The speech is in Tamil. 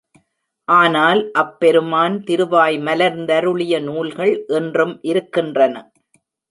ஆனால் அப்பெருமான் திருவாய் மலர்ந்தருளிய நூல்கள் இன்றும் இருக்கின்றன.